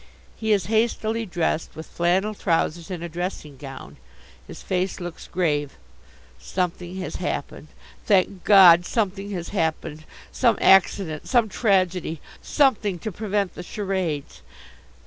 He is hastily dressed, with flannel trousers and a dressing gown. His face looks grave. Something has happened. Thank God, something has happened. Some accident! Some tragedy! Something to prevent the charades!